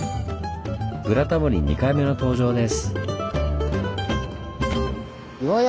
「ブラタモリ」２回目の登場です。